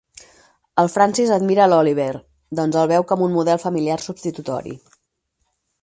El Francis admira a l'Oliver, docs el veu com un model familiar substitutori.